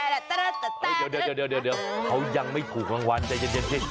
เดินเขายังไม่ถูกรางวัลเจ๋นพี่